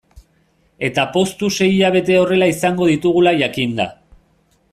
Eta poztu sei hilabete horrela izango ditugula jakinda.